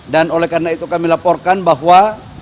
dan oleh karena itu kami laporkan bahwa